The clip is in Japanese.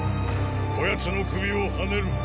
こ奴の首をはねる。